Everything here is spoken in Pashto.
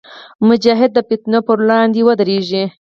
مجاهد د فتنو پر وړاندې ودریږي.